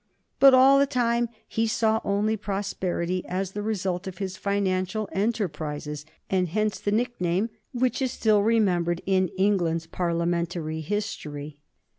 But all the time he saw only prosperity as the result of his financial enterprises, and hence the nickname, which is still remembered in England's Parliamentary history.